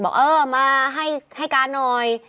บอกเออมาให้การหน่อย